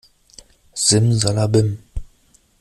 Simsalabim!